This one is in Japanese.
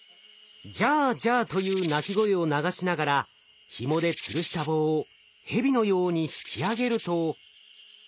「ジャージャー」という鳴き声を流しながらひもでつるした棒をヘビのように引き上げると。